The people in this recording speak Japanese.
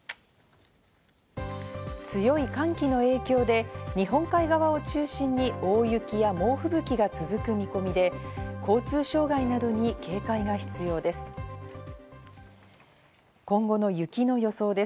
強い寒気の影響で、日本海側を中心に大雪や猛吹雪が続く見込みで、交通障害などに警戒が必要です。